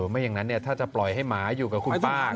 ไม่อย่างนั้นถ้าจะปล่อยให้หมาอยู่กับคุณป้า